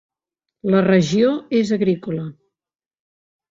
La regió és agrícola.